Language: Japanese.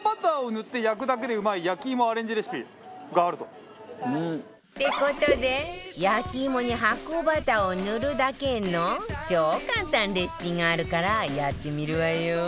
って事で焼き芋に発酵バターを塗るだけの超簡単レシピがあるからやってみるわよ